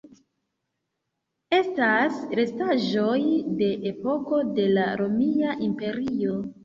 Estas restaĵoj de epoko de la Romia Imperio.